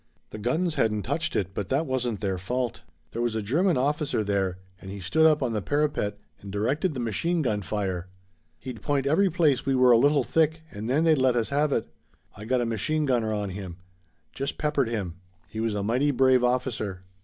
The guns hadn't touched it, but it wasn't their fault. There was a German officer there, and he stood up on the parapet, and directed the machine gun fire. He'd point every place we were a little thick and then they'd let us have it. We got him, though. I got a machine gunner on him. Just peppered him. He was a mighty brave officer."